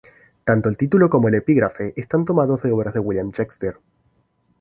Tanto el título como el epígrafe están tomados de obras de William Shakespeare.